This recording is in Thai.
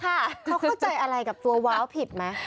เขาเข้าใจอะไรกับตัวว้าวผิดไหม